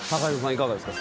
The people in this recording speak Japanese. いかがですか？